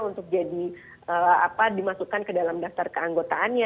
untuk jadi dimasukkan ke dalam dasar keanggotaannya